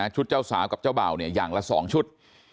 ชุดเจ้าสาวกับเจ้าเบ่าอย่างละ๒ชุด